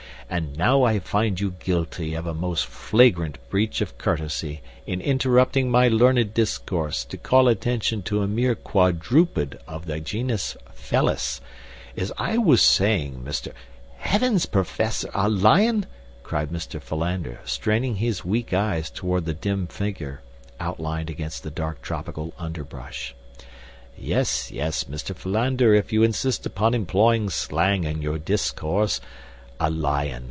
And now I find you guilty of a most flagrant breach of courtesy in interrupting my learned discourse to call attention to a mere quadruped of the genus Felis. As I was saying, Mr.—" "Heavens, Professor, a lion?" cried Mr. Philander, straining his weak eyes toward the dim figure outlined against the dark tropical underbrush. "Yes, yes, Mr. Philander, if you insist upon employing slang in your discourse, a 'lion.